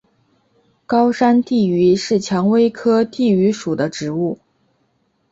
高山地榆是蔷薇科地榆属的植物。